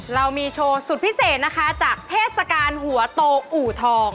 เรามีโชว์สุดพิเศษนะคะจากเทศกาลหัวโตอู่ทอง